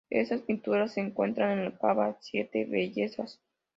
Estas pinturas se encuentran en la cava "Siete Bellezas".